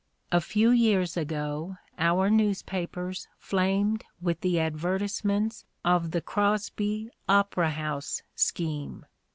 A few years ago our newspapers flamed with the advertisements of the Crosby Opera House scheme.